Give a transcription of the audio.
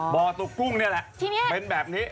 บ่อตกกุ้งนี่แหละเป็นแบบนี้